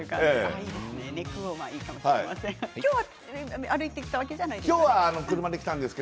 今日は歩いてきたわけじゃないですね？